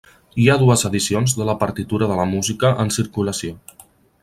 Hi ha dues edicions de la partitura de la música en circulació.